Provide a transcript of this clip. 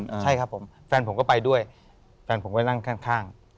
ใช่ครับผมแฟนผมก็ไปด้วยแฟนผมก็นั่งข้างข้าง